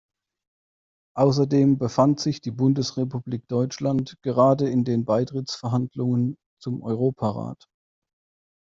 Außerdem befand sich die Bundesrepublik Deutschland gerade in den Beitrittsverhandlungen zum Europarat.